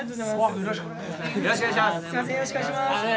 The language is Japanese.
よろしくお願いします。